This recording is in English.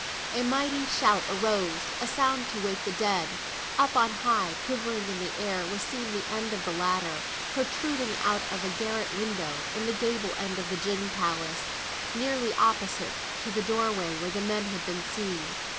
A mighty shout arose; a sound to wake the dead. Up on high, quivering in the air, was seen the end of the ladder, protruding out of a garret window, in the gable end of the gin palace, nearly opposite to the doorway where the men had been seen.